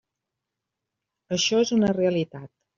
Això és una realitat.